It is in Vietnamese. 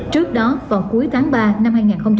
trước đó vào cuối tháng ba năm hai nghìn một mươi sáu